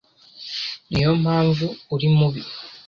Niyo mpamvu uri mubi.